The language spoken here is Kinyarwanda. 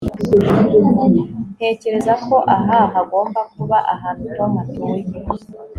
ntekereza ko aha hagomba kuba ahantu tom atuye